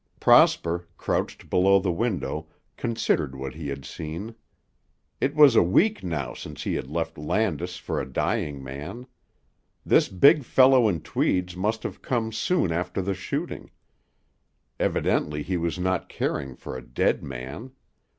Prosper, crouched below the window, considered what he had seen. It was a week now since he had left Landis for a dying man. This big fellow in tweeds must have come soon after the shooting. Evidently he was not caring for a dead man.